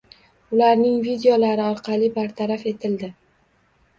Ularning videolari orqali bartaraf etildi.